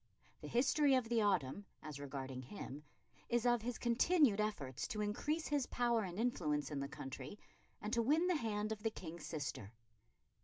The history of the autumn, as regarding him, is of his continued efforts to increase his power and influence in the country and to win the hand of the King's sister.